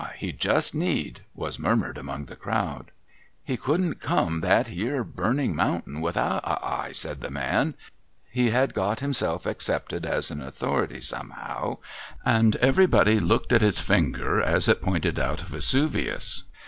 He just need,' was murmured among the crowd. ' He couldn't come that 'ere burning mountain without a eye,' said the man. He had got himself accepted as an authority, some how, and everybody looked at his finger as it pointed out Vesuvius.